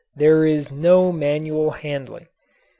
There is no manual handling.